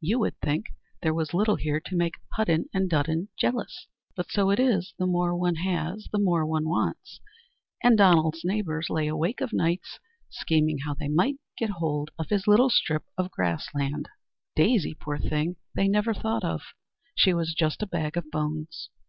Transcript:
You would think there was little here to make Hudden and Dudden jealous, but so it is, the more one has the more one wants, and Donald's neighbours lay awake of nights scheming how they might get hold of his little strip of grass land. Daisy, poor thing, they never thought of; she was just a bag of bones.